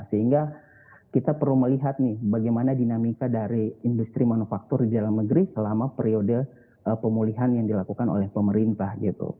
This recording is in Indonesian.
sehingga kita perlu melihat nih bagaimana dinamika dari industri manufaktur di dalam negeri selama periode pemulihan yang dilakukan oleh pemerintah gitu